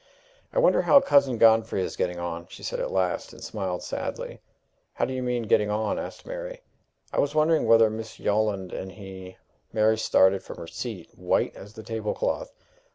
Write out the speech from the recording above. "I wonder how Cousin Godfrey is getting on?" she said at last, and smiled sadly. "How do you mean getting on?" asked Mary. "I was wondering whether Miss Yolland and he " Mary started from her seat, white as the table cloth.